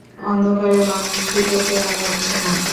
অন্ধকারে মানুষটিকে চেনা যাচ্ছে না।